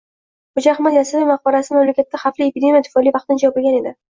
Xoʻja Ahmad Yassaviy maqbarasi mamlakatda xavfli epidemiya tufayli vaqtincha yopilgan edi.